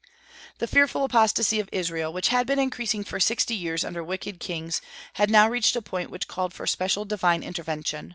The fearful apostasy of Israel, which had been increasing for sixty years under wicked kings, had now reached a point which called for special divine intervention.